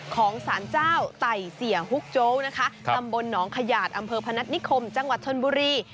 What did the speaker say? ของสารเจ้าไต่เสียฮุกโจ๊กนะคะตำบลหนองขยาดอำเภอพนัฐนิคมจังหวัดชนบุรี